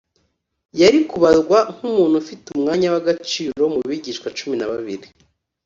yari kubarwa nk’umuntu ufite umwanya w’agaciro mu bigishwa cumi na babiri,